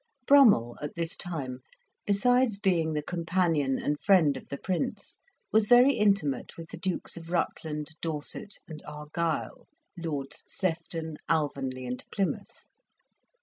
Brummell, at this time, besides being the companion and friend of the Prince, was very intimate with the Dukes of Rutland, Dorset, and Argyll, Lords Sefton, Alvanley, and Plymouth.